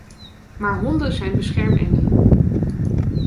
Maar honden zijn beschermengelen.